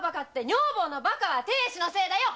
女房のバカは亭主のせいだよ。